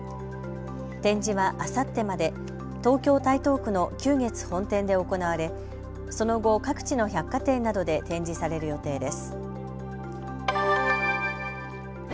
展示はあさってまで東京台東区の久月本店で行われその後、各地の百貨店などで展示される予定です。